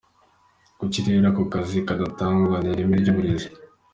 Kuki rero ako kazi kadatangwa? Ni ireme ry’uburezi.